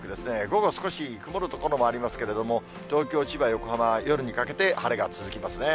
午後、少し曇る所もありますけれども、東京、千葉、横浜は夜にかけて晴れが続きますね。